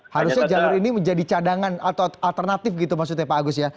harusnya jalur ini menjadi cadangan atau alternatif gitu maksudnya pak agus ya